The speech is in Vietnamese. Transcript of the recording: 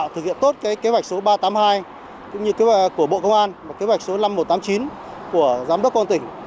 thực hiện tốt kế hoạch số ba trăm tám mươi hai của bộ công an và kế hoạch số năm nghìn một trăm tám mươi chín của giám đốc công an tỉnh